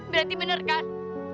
berarti bener kan